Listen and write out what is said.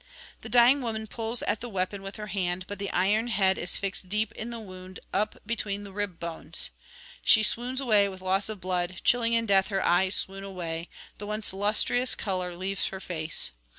The dying woman pulls at the weapon with her hand; but the iron head is fixed deep in the wound up between the rib bones. She swoons away with loss of blood; chilling in death her eyes swoon away; the once lustrous colour leaves her face.